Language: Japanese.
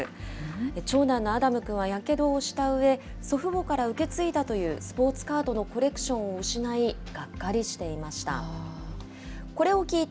長男のアダム君はやけどをしたうえ、祖父母から受け継いだというスポーツカードのコレクションを失い、がっかりしていました。